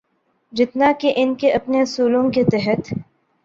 جتنا کہ ان کے اپنے اصولوں کے تحت۔